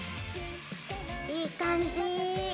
いい感じ！